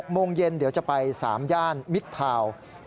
โมงเย็นเดี๋ยวจะไป๓ย่านมิดทาวน์